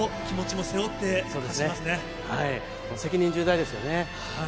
もう責任重大ですよね。